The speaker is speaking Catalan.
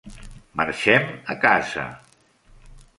Marxem a casa.